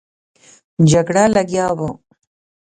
جګړه لګیا وو.